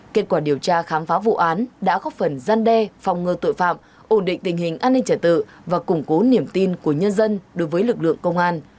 kết quả điều tra khám phá vụ án đã góp phần gian đe phòng ngơ tội phạm ổn định tình hình an ninh trả tự và củng cố niềm tin của nhân dân đối với lực lượng công an